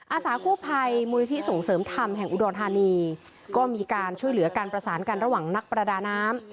อาสากู้ภัยมูลนิธิส่งเสริมธรรมแห่งอุดรธานีก็มีการช่วยเหลือการประสานกันระหว่างนักประดาน้ำ